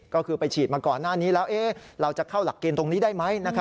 ก็คือไปฉีดมาก่อนหน้านี้แล้วเราจะเข้าหลักเกณฑ์ตรงนี้ได้ไหม